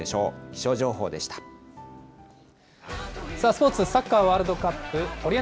スポーツ、サッカーワールドカップ。